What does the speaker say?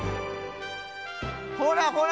ほらほら！